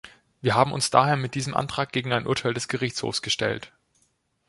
Wir haben uns daher mit diesem Antrag gegen ein Urteil des Gerichtshofs gestellt.